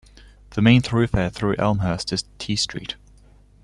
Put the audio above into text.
The main thoroughfare through Elmhurst is T Street.